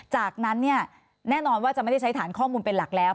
จากนั้นเนี่ยแน่นอนว่าจะไม่ได้ใช้ฐานข้อมูลเป็นหลักแล้ว